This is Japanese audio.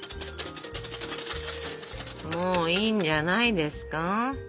もういいんじゃないですか？